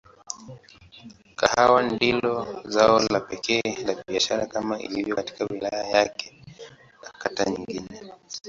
Kahawa ndilo zao pekee la biashara kama ilivyo katika wilaya yake na kata nyingine.